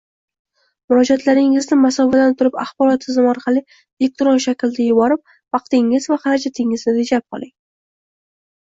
Murojaatlaringizni masofadan turib axborot tizimi orqali elektron shaklda yuborib, vaqtingiz va xarajatingizni tejab qoling.